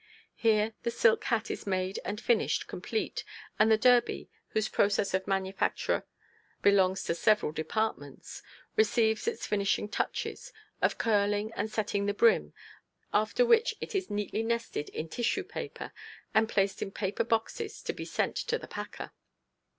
Here the silk hat is made and finished complete, and the derby, whose process of manufacture belongs to several departments, receives its finishing touches, of curling and setting the brim, after which it is neatly nested in tissue paper and placed in paper boxes to be sent to the packer.